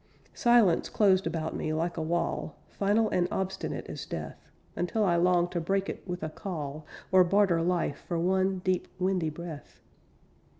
Silence closed about me, like a wall, Final and obstinate as death. Until I longed to break it with a call, Or barter life for one deep, windy breath.